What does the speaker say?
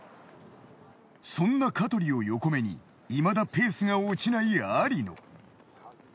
そんな香取を横目にいまだペースが落ちないありの。